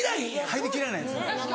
入りきらないです。